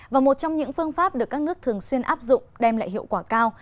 và một trong những phương pháp được các nước thường xuyên áp dụng đem lại hiệu quả cao